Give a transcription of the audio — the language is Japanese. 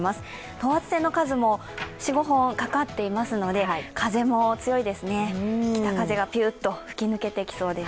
等圧線の数も４５本かかっていますので風も強いですね、北風がピューと吹き抜けていきそうです。